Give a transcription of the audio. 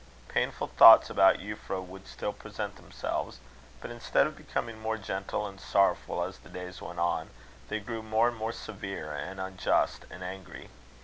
Painful thoughts about Euphra would still present themselves; but instead of becoming more gentle and sorrowful as the days went on, they grew more and more severe and unjust and angry.